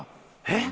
えっ？